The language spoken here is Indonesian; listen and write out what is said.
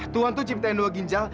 tuhan tuh ciptain dua ginjal